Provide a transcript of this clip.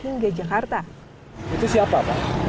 itu siapa pak